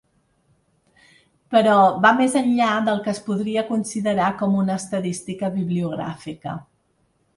Però va més enllà del que es podria considerar com una estadística bibliogràfica.